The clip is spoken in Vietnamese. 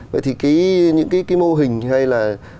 vậy thì những mô hình hay là